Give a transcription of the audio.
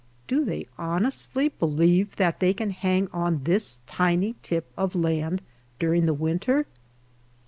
Do they honestly believe that they can hang on this tiny tip of land during the winter